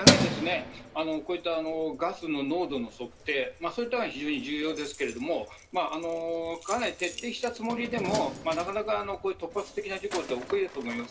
こういったガスの濃度の測定は大事ですけれども、かなり徹底したつもりでもなかなか突発的な事故は起こりうると思います。